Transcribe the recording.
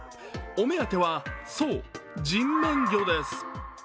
お目当ては、そう、人面魚です。